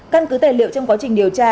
căn cứ tài liệu trong quá trình điều tra